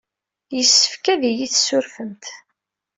Yessefk ad iyi-tessurfemt.